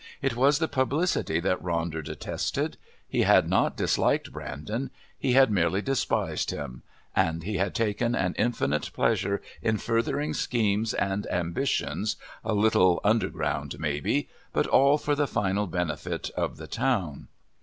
It was the publicity that Ronder detested. He had not disliked Brandon he had merely despised him, and he had taken an infinite pleasure in furthering schemes and ambitions, a little underground maybe, but all for the final benefit of the Town.